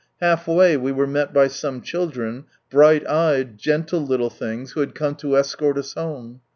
Half way we were met by some children, bright eyed, gentle little things, who had come to escort us home.